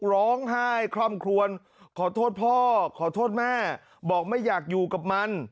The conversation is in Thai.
ร้องไห้คล่อมครวนขอโทษพ่อขอโทษแม่บอกไม่อยากอยู่กับมัน